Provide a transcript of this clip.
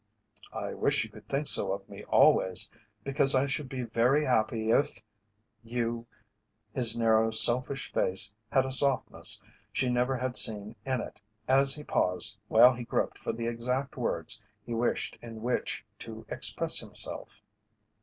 "I wish you could think so of me always, because I should be very happy if you " His narrow, selfish face had a softness she never had seen in it as he paused while he groped for the exact words he wished in which to express himself.